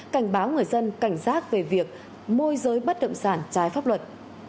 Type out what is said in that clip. cảnh báo người dân cảnh giác về việc môi giới bất động sản trái pháp luật